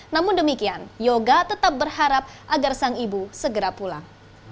namun demikian yoga tetap berharap agar sang ibu segera pulang